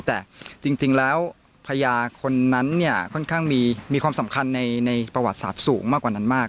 แต่จริงแล้วพญาคนนั้นเนี่ยค่อนข้างมีความสำคัญในประวัติศาสตร์สูงมากกว่านั้นมาก